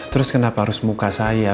terus kenapa harus muka saya